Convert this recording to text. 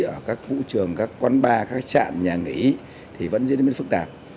ở các vũ trường các quán bar các trạm nhà nghỉ thì vẫn diễn biến phức tạp